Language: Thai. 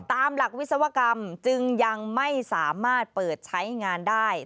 ตามหลักวิศวกรรมจึงยังไม่สามารถเปิดใช้งานได้